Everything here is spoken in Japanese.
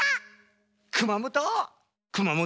熊本？